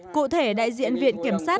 cụ thể đại diện viện kiểm sát